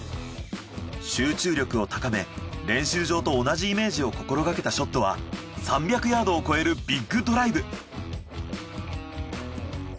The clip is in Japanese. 集中力を高め練習場と同じイメージを心がけたショットは３００ヤードを超えるビッグドライブ。